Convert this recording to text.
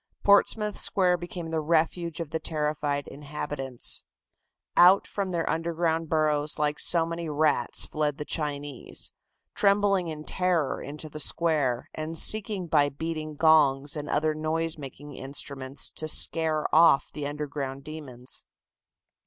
Portsmouth Square became the refuge of the terrified inhabitants. Out from their underground burrows like so many rats fled the Chinese, trembling in terror into the square, and seeking by beating gongs and other noise making instruments to scare off the underground demons.